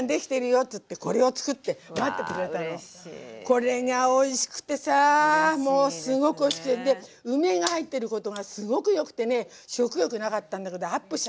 これがおいしくてさすごくおいしくてで梅が入ってることがすごくよくてね食欲なかったんだけどアップしちゃったね。